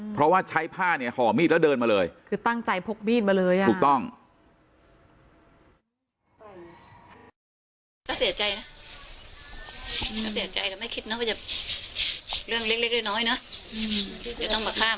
เพราะว่าใช้ผ้าห่อมีดแล้วเดินมาเลยคือตั้งใจพกมีดมาเลยครับ